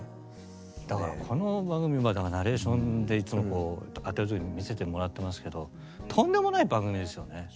だからこの番組まあだからナレーションでいつもこうあてる時に見せてもらってますけどとんでもない番組ですよね。